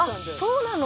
そうなの？